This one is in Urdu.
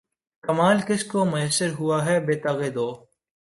کمال کس کو میسر ہوا ہے بے تگ و دو